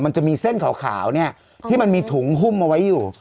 มันจะมีเส้นขาวเนี่ยที่มันมีถุงหุ้มเอาไว้อยู่